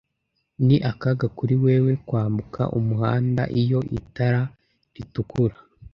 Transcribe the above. Ni akaga kuri wewe kwambuka umuhanda iyo itara ritukura.